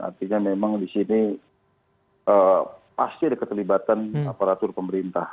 artinya memang di sini pasti ada keterlibatan aparatur pemerintah